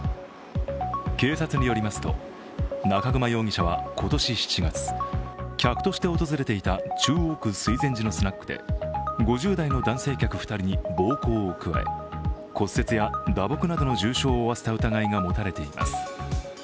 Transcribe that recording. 警察によりますと、中熊容疑者は今年７月、客として訪れていた中央区水前寺のスナックで５０代の男性客２人に暴行を加え、骨折や打撲などの重傷を負わせた疑いが持たれています。